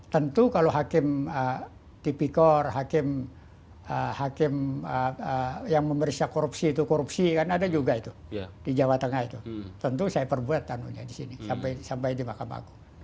tentu kalau hakim tipikor hakim yang memberi korupsi itu korupsi kan ada juga itu di jawa tengah tentu saya perbuat nanonya disini sampai di mahkamah aku